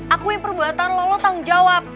aku yang perbuatan lo lo tanggung jawab